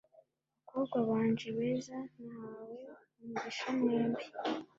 Bakobwa banje beza nahawe umugisha mwembi